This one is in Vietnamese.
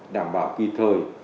đảm bảo kỳ thời